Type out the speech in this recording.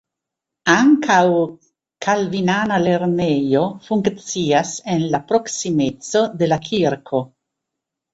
Ankaŭ kalvinana lernejo funkcias en la proksimeco de la kirko.